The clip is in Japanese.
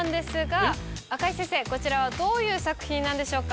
こちらはどういう作品なんでしょうか？